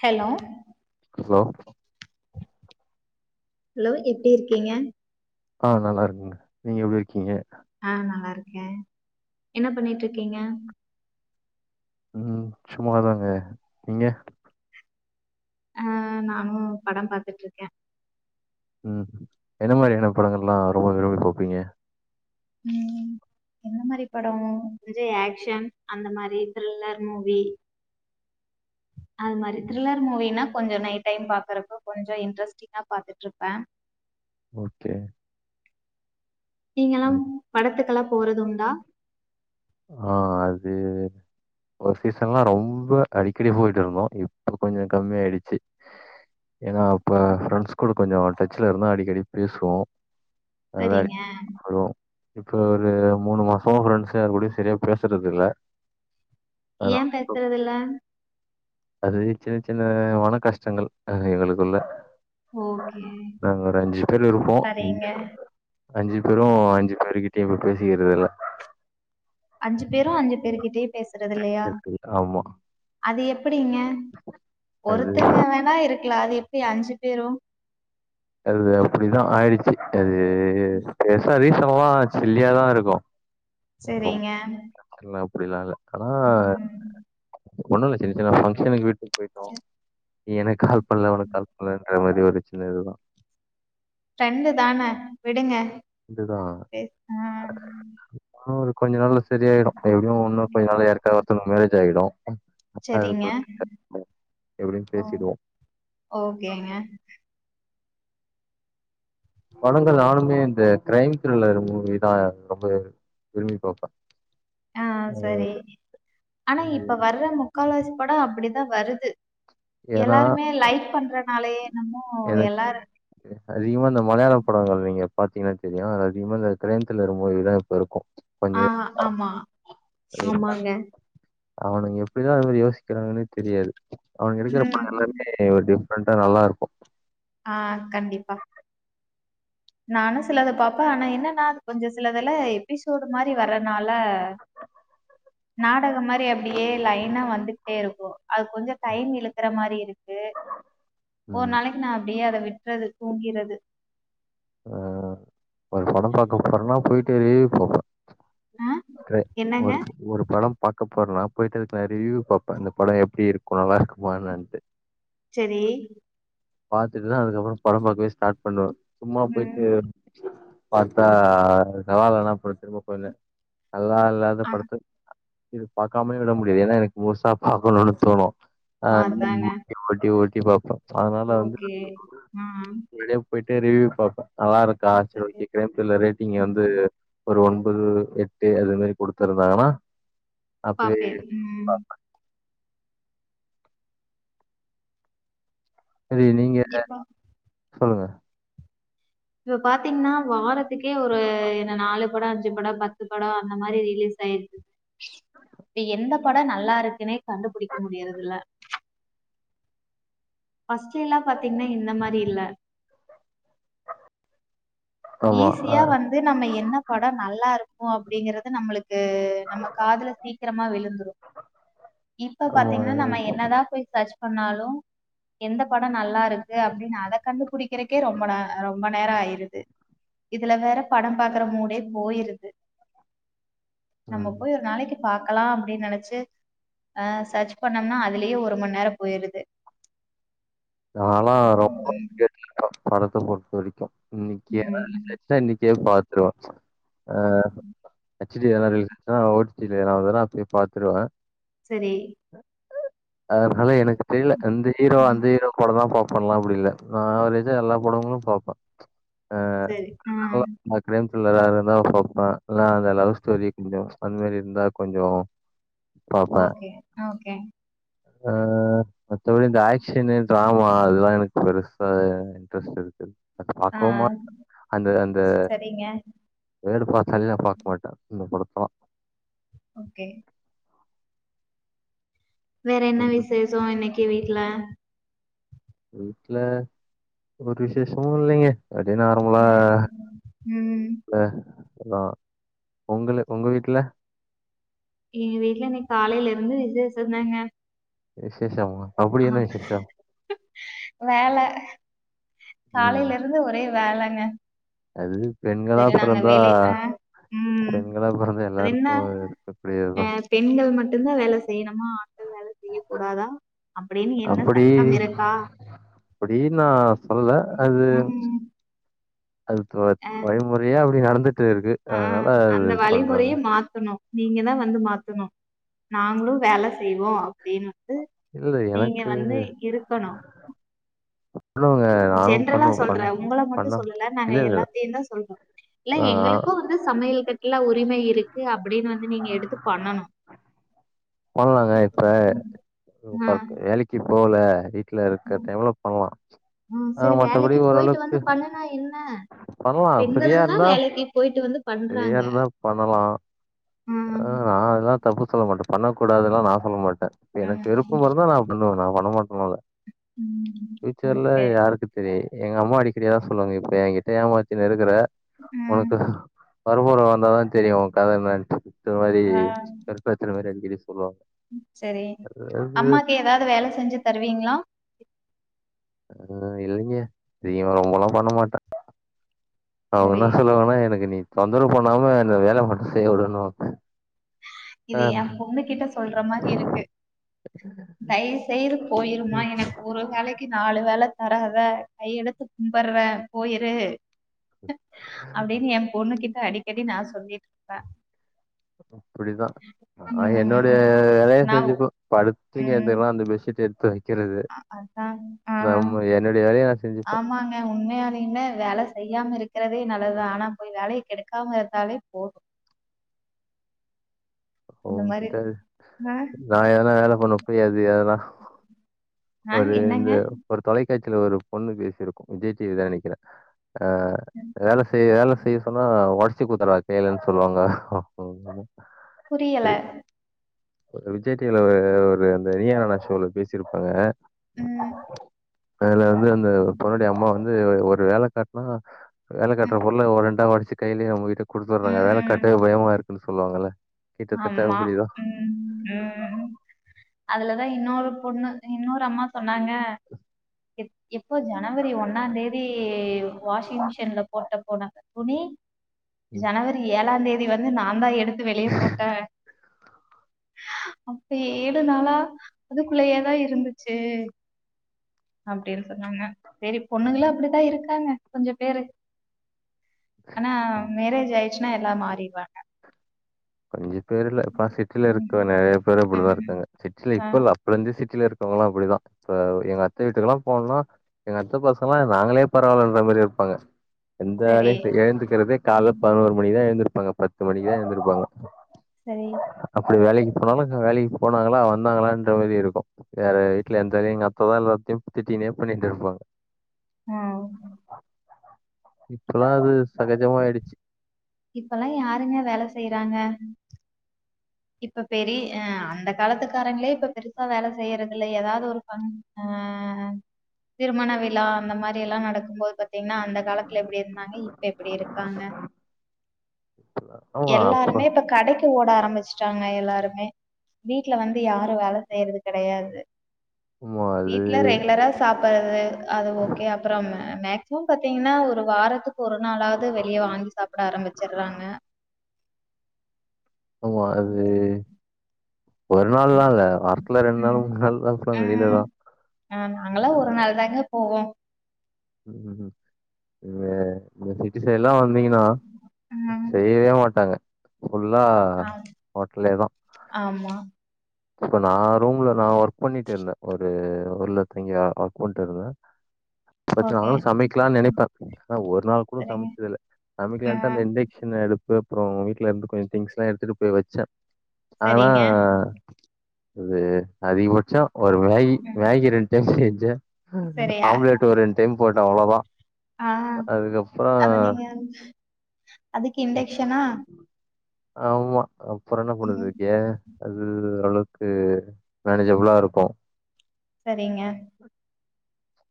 Hello hello hello எப்டி இருக்கீங்க? ஆஹ் நல்லா இருக்கங்க. நீங்க எப்டி இருக்கீங்க? க என்ன பண்ணிட்டிருக்கீங்க? உம் சும்மாதாங்க நீங்க அஹ் நானு படம் பாத்துட்டு இருக்கே உம் என்ன மாதிரியான படங்கள் லா ரொம்ப விரும்பி பாப்பீங்க உம் எந்த மாரி படம் விஜய் ஆக்சன் அந்த மாரி த்ரில்லர் மூவி அது மாதிரி த்ரில்லர் மூவினா கொஞ்ச நைட் டைம் பாக்குறப்ப கொஞ்ச இன்ட்ரெஸ்டிங்கா பாத்துட்டு இருப்பே ஓகே நீங்கெல்லாம் ம் படத்துக்கெல்லா போறதுண்டா ஆ அது ஒரு சீசன்லா ரொம்ப அடிக்கடி போயிட்டு இருந்தோம் இப்ப கொஞ்சோ கம்மியாயிடுச்சு, ஏன்னா அப்ப ஃப்ரண்ட்ஸ் கூட கொஞ்சோ டச்ல இருந்த அடிக்கடி பேசுவோம் சரிங்க இப்ப ஒரு மூணு மாசோ ஃப்ரண்ட்ஸ் யாரு கூடயு சரியா பேசுறது இல்ல அதனால ஏன் பேசுறதுல்ல அது சின்ன சின்ன மன கஷ்டங்கள் அ எங்களுக்குள்ள ஓகே நாங்க ஒரு அஞ்சு பேர் இருப்போம், இங்க சரிங்க அஞ்சு பேரும் அஞ்சு பேருக்கிட்டயும் குட் பேசிக்கிறதில்ல. அஞ்சு பேரும் அஞ்சு பேர்கிட்டயு பேசுறது இல்லையா, இருக்குல்ல. ஆமா அது எப்புடிங்க, அது ஒருத்தங்க வேணா இருக்கலா அது எப்டி அஞ்சுப் தேரூ அது அப்புடிதா ஆயிடுச்சு அ பே ஸ் பேசரிசாப் ப்பாவா சில்லியாதா இருக்கும் சேரிங்க இப்புடிதாங்க ஆனா ஒண்ணுல்ல சின்ன சின்ன ஃபங்ஷனுக் விட் டுக் போயிட்டோ சரி எனக் கால் பண்ல உனக்கு கால் பண்லன்ற மாதிரி ஒரு பிரச்சன இதுதா ஃப்ரெண்டு தான விடுங்க இதுதா பேச ஆ [inaudible] கொஞ்ச நாள்ல ஸ் செரி ஆயிடு எப்டியும் உன்னு கொஞ்ச நாள்ல ஏற்காவ ஒருத்தனுக் மேரேஜ் ஆயிடும் சரிங்க அதுக்குள்ள எப்டியும் ஓ பேசிடுவோம். ஓகேங்க படங்கள் நானுமே இந்த கிரைம் த்ரில்லர் மூவி தான் ரொம்பவே விரும்பி பாப்ப. ஆ சரி ஆனா இப்ப வர்ற முக்கால்வாசி படோ அப்புடிதா வருது ஏன்னா, எல்லாருமே லைக் பண்றனாலயே என்னமோ எனக்கு எல்லாரும் பாத்தீங்கன்னா தெரியு அதுல அதிகமா இந்த க்ரைம் தில்லர் மூவி தா இப்ப இருக்கூ. ஆ ஆமா அது ஆமாங்க. அவனுங்க எப்புடிதா அது மாரி யோசிக்குறாங்கனே தெரியாது. அவங்க எடுக்குற ம். படோ எல்லாமே ஒரு டிஃப் ப்ரெண்ட்ல நல்லா இருக்கூ. ஆஹ் கண்டிப்பா நானு சிலத பாப்பே ஆனா என்னன்னா அது கொஞ்ஜொ சிலதுல எபிசோடு மாரி வரனால நாடகம் மாரி அப்டியே லைனா வந்துகிட்டே இருக்கு அது கொஞ்ச டைம் இழுக்ற மாரி இருக்கு ஒரு ம். நாளைக் நா அப்டியே அத விட்றது தூங்கிறது ஆஹ் ஒரு படம் பாக்க போறன்னா பொயிட் செரீ போங்க ஆ கெ என்னங்க? ஒரு ஒரு படம் பாக்க போறனா பொயிட்டதுக்கு நா ரிவியூ பாப்ப இந்த படம் எப்டி இருக்கு நல்லா இருக்குமா எனன்ட்டு செரி பாத்துட்டுதா அதுக்கப்றோ படம் பாக்கவே ஸ்டார்ட் பண்ணுவ சும்மா பொயிட்டு ம். பாத்தா சவாலல்லா அப்றொ திரும்ப [unintelligible] நல்லா இல்லாத ஆனா படத்துக் இது பாக்காமே விட முடியாது ஏனா எனக்கு முழுசா பாக்கனூனு தோணு ஆஹ்ன் அதாங்க. [inaudible] ஓட்டி ஓட் இபாப்ப ஓகே ஆஹ் ஏரிவ்ட் பாப்ப நல்லா இருக்கா செர் ஓகே கிரேம்புல்ல ரேட்டிங் வந்து ஒரு ஒன்பது எட்டு அது மாரி குடுத்துருந்தாங்கனா பாப்பே உம் செரி நீங்க இப்ப சொல்லுங்க இவ பாத்திங்னா வாரத் இதுக்கே ஒரு என்ன நாலு படோ அஞ்சு படோ பத்து படோ அந்த மாரி ரிலீஸ் ஆயிர்க்கு எந்த படோ நல்லா இருக்குன்னே கண்டுபுடிக்க முடியறதுல பஸ்டெல்லா பாத்திங்னா இந்த மாரி இல்ல ஆமா ஆ ஈஸியா வந்து நம்ம என்ன படொ நல்லாருக்கு அப்டிங்கறது நம்ளுக் கூ நம்ம காதுல சீக்ரமா விழுந்துரு இப்ப ஆமா பாத்திங்னா நம்ம என்னதான் போய் சர்ச் பண்ணாலு எந்த படொ நல் லாருக்கு அப்டின் அத கண்டுபுடிக் கிறக்கே ரொம்ப ந ரொம்ப நேரோ ஆயிருது இதுல வேற படம் பாக்குற மூடே போயிருது நம்ம ம் போய் ஒரு நாளைக்கு பாக்கலா அப்படின்னு நெனைச்சு அ சர்ச் பண்ணோம்னா அதுலேயே ஒரு மண் நேரொ போயிருது நாலா ரொம்ப கேட்டுனுக்குற படத்த பொறுத்த வரைக்கு இன்னைக்கு உம் [inaudible] இன்னைக்கே பாத்துருவன் ஆஹ் ஹெச் டி யாலா ரிலீஸ் ஆச்சுன்னா ஒ ட்டி இதுல எதாவதுனா அப்படியே பாத்துருவே செரி அதனால எனக்கு தெரியல எந்த ஹீரோ உம் அந்த ஹீரோ படந்தா பாப்பேன்ல்லா அப்படி இல்ல நா [unintelligible] எல்லா படங்களும் பாப்பே ஆஹ் சரி ஆஹ் [inaudible] த்ரில்லரா இருந்தா பாப்பே இல்ல அந்த லவ் ஸ்டோரி கொஞ்சோ அந்த மெரி இருந்தா கொஞ்சோ ஓகே ஓகே அஹ் மத்தபடி இந்த ஆக்சனு டிராமா அதெல்லா எனக்கு பெருசாவே இன்ட்ரெஸ்ட் இருக்குது அத பாக்கவு ஆஹ் மாட் அந்த அந்த சரிங்க வேடு பாத்தாலே நா பாக்க மாட்ட இந்த படத் வ்வா ஓகே வேற என்ன ம். விசேஷொ இன்னைக்கு வீட்டுல வீட்ல ஒரு விசேஷமு இல்லைங்க அப்டியே நார்மலா உம் உம் லே [unintelligible] ஒங்களு ஒங்க வீட்டுல எங்க வீட்டுல இன்னைக் காலையில இருந்து விசேஷந்தாங்க விசேஷமா அப்படி என்ன ஆஹ் விசேஷம்? வேல ம். காலையில இருந்து ஒரே வேலங்க அது பெண்களா செரி நாங்க பொறந்தா வெளி ஆ ம் பெண்களா பொறந்தா அது என்ன எல்லாருக்கு அ இருக்கக்கூடியதுதா பெண்கள் மட்டு எந்த வேல செய்யணு ம்மா ஆண்கள் வேல செய்யக் கூடாதா அப்படின்னு என்ன அப்படி சட்டம் இருக்கா அப்படி நா சொல்ல அது ம், அது துவத் வழிமுறையா அப்படி நடந்துட் ட்டேருக்கு அதனால அது பண்றாங்க நீங்கதா வந்து மாத்தணு நாங்களு வேல செய்வோ அப்டீன்னு இல்ல எனக்கு இருக்கணும் பண்ணுவங்க நானு ஜென்ரலா பண்ணுவ சொல்றே பண்ணு உங்கள மட்டு பண்ண சொல்லல நாங்க இல்ல இல்ல எல்லாத்தையுந்தா சொல்றோ இல்ல ஆ எங்களுக்கு வந்து சமையல் கட்ல உரிம இரு ருக்கு அப் அப்புடீன்னு வந்து நீங்க எடுத்து பண்ணணு போண்லாங்க இப்ப ஆ, ஒர்க் வேலக்கி போல வீ ட்ல இருக்க டைம்ல பண்லா ஆ சரி மத்தபடி வேலைக்கு போயிட்டு ஓரளவுக்கு வந்து பண்ணுனா என்ன பண்லா பெண்களும் தான் ஃபிரியாருந்தா வேலைக்கு போயிட்டு வந்து ஃபிரியா பண்றாங்க. இருந்தா பண்ணலா ம். ஆ நா அதா தப்பு சொல்ல மாட்ட பண்ணக்கூடாதுலா நா சொல்ல மாட் ட எனக்கு ம். விருப்பமாருந்தா நா பண்ணுவ நா பணமாட்டுமல்ல ம். ஃப்யூச்சர்ல ஓகே. யாருக்கு தெரியி எங்க அம்மா அடிக்கடி அதா சொல்வாங்க இப்ப எங்கிட் ட ஏமாத்தினு இருகுற ம். ஒனக்கு மருமக வந்தாதா தெரியு ஒ கத என்னன்ட்டு ஆ [unintelligible] [unintelligible] சரி அதாவது அம்மாக்கு எதாது வேல செஞ்சு தருவீங்ளா அ இல்லிங்க [unintelligible] ரொம்பல்லா பண்ண மாட்ட சரி. அவுங்கனா சொல்லுவாங்னா எனக்கு நீ தொந்தரவு பண்ணாம இந்த வேல மட்டு செய்ய விடணு இது ஏ பொண்ணு கிட்ட சொல்ற மாரி இருக்கு தயவ்செய்து போயிருமா ம். எனக்கு ஒரு வேலக்கி நாலு வேல தராத கையெடுத்து கும்பர்றே போயிரு அப்டின்னு என் பொண்ணு கிட் ட அடிக்கடி நா சொல்லிட்ருப்ப பப்போம் ப்புடிதா நா என்னோடைய வேலைய நான் உ- செஞ்சுப்ப படுத் தூங்கி [unintelligible] பெட்ஷீட் எடுத் தவி அ அதான் ஆ என்னுடைய வேலைய நான் செஞ்சுப்பே ஆமாங்க உண்மையாலேல்ல வேல செய்யாம இருக்றதே நல்லதுதா ஆனா போய் வேலையே கெடுக்காம இருந்தாலே போதும் இந்த அவங் மாரி கிட்ட ஆ நா எதனா வேல பண்ண போய் அது எல்லா ஆ ஒரு இந்த என்னங்க? ஒரு தொகைக் பேச்சுல ஒரு பொண்ணு பேசியிருக்கோ விஜய் டிவிதா நெனைக்கிறே ஆ வேல செய் வேல செய்ய சொன்ன [unintelligible] ச்சி கூத்துருவா கைலன்னு சொல்லுவாங்க புரியல ரி- [unintelligible] விஜய் டிவி ல ஒரு அந்த நியா நானா ஷோல பேசியிருப்பாங்க ம். அதுல இது அந்த பொண்ணுடைய அம்மா வந்து ஒரு வேல காட்டனா ம். வேலக்கட்டுற பொன் ஓ ரெண்டு அத ஒடச்சி கைலியே உங்ககிட்ட குடுத்துர்றாங்க வேல ம். கட்டாய பயமா இருக் ந்து சொல்வாங்கல ஆமா ம் ம் அதுலதா இன்னொரு பொண்ணு இன்னொரு அம்மா சொ சொன்னாங்க எ எப்போ ஜனவரி ஒன்னா தேதி வாஷிங் மிஷின்ல போட்ட போட்டாங்க துணி ஜனவரி ஏழாந் தேதி வந்து நா தா எடுத்து வெளியே போட் அப்பே ஏழு நாளா அதுக்குள்ளயே தா இருந்துச்சு அப்டின்னு சொன்னாங்க செரி பொண்ணுங்கல்லா அப்டிதா இருக்காங்க கொஞ்சோ பேரு ஆன மேரேஜ் ஆய் ச்சுன்னா எல்லா மாறிடுவாங்க [unintelligible] பேருல ப சிட்டில இருக்கற ம். நறைய பேரு அப்டிதா ம். இருக்கங்க சிட்டில ஆ இப்ப இ அப்பல இருந்தே சிட்டியில இருக் அவங்களா அப்டிதா இப்ப எங்க அத்த வீட்டுக்கெல்லா போனா எங்க அத்த பசங்க லா நாங்களே பரவாலன்ற மாரி இருப்பாங்க எந்த சரி, வேலயு செய் எழுந்துக்கற்தே கால பதினோரு மணிதா எழுந் இருப்பாங்க பத்து மணிக்க எழுந்துதிருப்பாங்க சரி இப்ப வேலைக்கு போனாலு வேலைக்கு போனாங்களா வந்தாங்களான்ற மாரி இருக்கோ வேற வீட்டுல எந்த வேல எங்க அத்ததா எல்லாத்தையு திட்டினே பண்ணிட்டு இருப்பாங்க ம் இப்பெல்லா அது சகஜமயிடுச்சு இப்பல்லா யாருங்க வேல செய்யிறாங்க இப்ப பெரியி அஹ அந்த காலத்துக்காரங்குளே இப்ப பெருசா வேல செய்யிறது இல்ல ஏதாவது ஒரு பண் அஹ திருமண விழா அந்த மாதிரி எல்லா நடக்கும் போது பாத்தீங்கன்னா அந்த காலத்தில் எப்டி இருந்தாங்க இப்ப எப்பிடி இருக்காங்க ஆமா அப்ப எல்லாருமே இப்ப கடைக் த்து ஓட ஆரம்பிச் சாங்க எல்லாருமே வீட்டுல வந்து யாரு வேல செய்யிறது கெடையாது ஆமா அது வீட்டுல ரெகுலரா சாப்புறது அது ஓக்கே அப்புறம் மேக் [unintelligible] பாத்தீங்கன்னா ஒரு வாரத்துக்கு ஒரு நாளாவ்து வெளிய வாங்கி சாப்ட ஆரம்பிச்சிர்றாங்க ஆமா அது ஒரு நாள்லா இல்ல வாரத்துல ரெண் ம் நாள் மூண் நாள் [unintelligible] ம் வெளிலதா ஆ நாங்கல்லா ஒரு நாள் தாங்க போவோ உம் உம் உம் இங்க மதுரக்கி சைட்லா வந்தீங்கன்னா ம் செய்யவே மாட்டாங்க ஃபுல்லா ஆ ஹோட்டலேதா ஆமா இப்போ நா ரூம்ல நா ஒர்க் பண்ணிட்டு இருந்தே ஒரு ஒர்லக் நீங்க அக்கோண்டு இருந்தா பட் ஓகே நாளுங்கு சமைக்கிலா நெனைப்பே ஆனா ஒரு நாள் கூட சரிங்க சமச்சது இல்ல சமைக்கலான்ட்டு தா அந்த ம் இண்டெக்ஷன் எடுப் ல ப்ரோ அவுங்க வீட்ல இருந்து கொஞ்சோ திங்ஸ்லா எடுத்துட்டு போய் வெச்சே செரிங்க அது அதிகபச்சோ ஒரு மேகி ம் மேகி ரெண் டைம் செ ஜ அ அ சரியா ஆம்லெட் ஒர் ரெண் டைம் போட்டே அவ்ளோதா ஆ அ அதுக்கப்பறோ கி இன்டக்‌ஷனா ஆம்மா அப் புறன்னா பண்ணுது கே [unintelligible] அளோக்கு மேனஜப்ளா இருக்கோ செரிங்க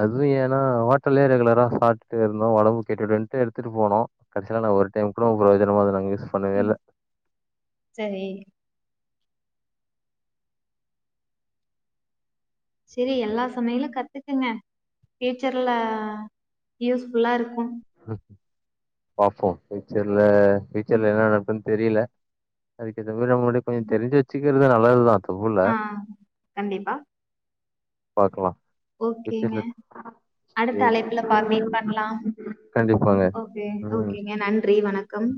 அதுவு ஏன்னா ஹோட்டல்யே ரெகுலரா சாப்ட்டே இருந்தோ ஒடம்பு கெட்டுடோன்டு எடுத்துட்டு போனோ கடசில நா ஒர் டைம் கூட பிரோஜினமா அத நாங்க யூ உம் செரி செரி எல்லா சமையலு கத்துக்கங்க ஃபியூச்சர்ல யூஸ்ஃபுல்லா இருக்கோ பாப்போ ஃபியூச்சர்ல ஃபியூச்சர்ல என்ன நடக் தெரில அதுக் இந்த மாரி நம்ம கிட்ட கொஞ்சோ தெரிஞ்சு வெச்சி ர்து நல்லதுதா ஆ ஆ கண்டிப்பா பாக்லா ஓகேங்க அடுத்த அழைப்புல பா மீட் பண்லாம் கண்டிப்பாங்க. ஓகே ம். ஓகேங்க நன்றி வணக்கம்